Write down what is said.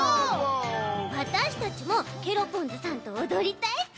わたしたちもケロポンズさんとおどりたいち。